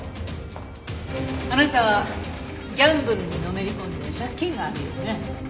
あなたはギャンブルにのめり込んで借金があるようね。